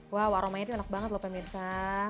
wow aromanya enak banget loh pemirsa